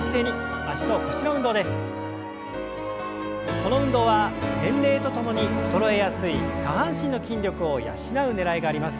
この運動は年齢とともに衰えやすい下半身の筋力を養うねらいがあります。